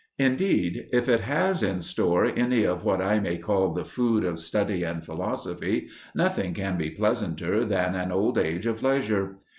Indeed, if it has in store any of what I may call the food of study and philosophy, nothing can be pleasanter than an old age of leisure.